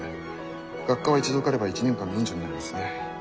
学科は一度受かれば１年間免除になりますね。